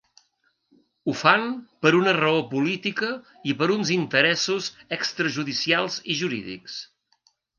Ho fan per una raó política i per uns interessos extrajudicials i jurídics.